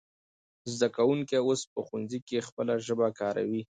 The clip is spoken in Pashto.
زده کوونکی اوس په ښوونځي کې خپله ژبه کارکوي.